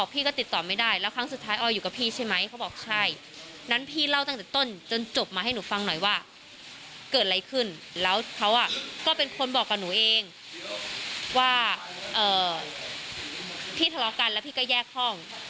พี่ทะเลากันแล้วพี่ก็แยกห้อง